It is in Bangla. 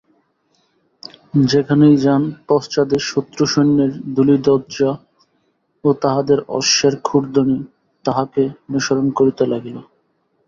যেখানেই যান পশ্চাতে শত্রুসৈন্যের ধূলিধ্বজা ও তাহাদের অশ্বের ক্ষুরধ্বনি তাঁহাকে অনুসরণ করিতে লাগিল।